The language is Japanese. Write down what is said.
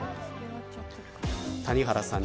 谷原さん